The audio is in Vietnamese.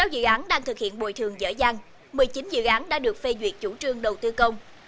sáu dự án đang thực hiện bồi thường dở dàng một mươi chín dự án đã được phê duyệt chủ trương đầu tư công